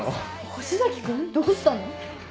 星崎君どうしたの？